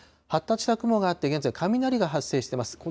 発達した雲があって、現在、雷が発生しています。